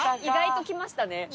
意外と来ましたね。